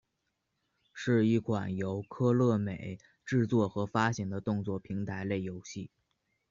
是一款由科乐美制作和发行的动作平台类游戏。